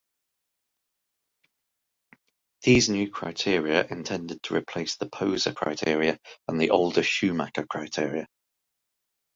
These new criteria intended to replace the Poser criteria and the older Schumacher criteria.